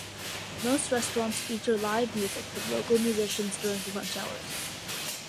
Most restaurants feature live music from local musicians during the lunch hours.